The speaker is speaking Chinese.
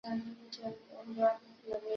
黑臀泽蛭为舌蛭科泽蛭属下的一个种。